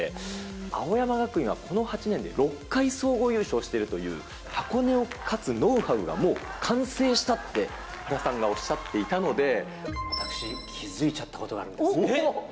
青山学院はこの８年で６回総合優勝しているという、箱根を勝つノウハウがもう完成したって、原さんがおっしゃってい私、気付いちゃったことがあるんです。